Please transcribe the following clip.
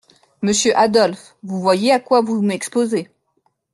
Monsieur Adolphe, vous voyez à quoi vous m’exposez…